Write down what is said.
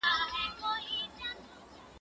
زه اوس کتابونه لولم؟!